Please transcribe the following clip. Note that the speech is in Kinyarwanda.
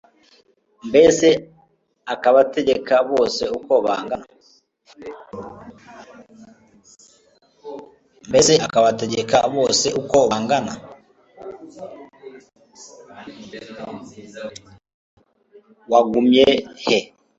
wagumye he